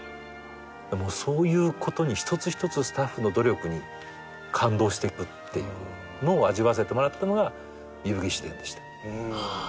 そういうことに一つ一つスタッフの努力に感動していくっていうのを味わわせてもらったのが『壬生義士伝』でした。